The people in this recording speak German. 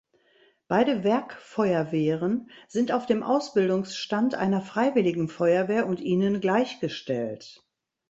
Beide Werkfeuerwehren sind auf dem Ausbildungsstand einer Freiwilligen Feuerwehr und ihnen gleichgestellt.